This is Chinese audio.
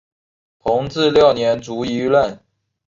同治六年卒于任。